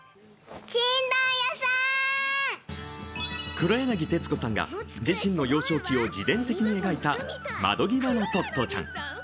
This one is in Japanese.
黒柳徹子さんが自身の幼少期を自伝的に描いた「窓ぎわのトットちゃん」。